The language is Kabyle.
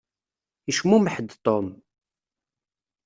Yecmumeḥ-d Tom.